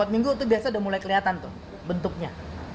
empat minggu itu biasa udah mulai kelihatan tuh bentuknya